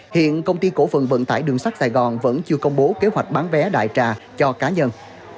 hiện công ty cổ phần vận tải đường sắt sài gòn vẫn chưa công bố kế hoạch bán vé đại trà cho cá nhân